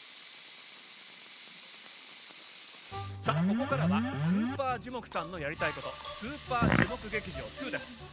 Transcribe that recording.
さあここからはスーパージュモクさんのやりたいこと「スーパージュモク劇場２」です。